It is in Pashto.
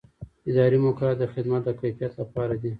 اداري مقررات د خدمت د کیفیت لپاره دي.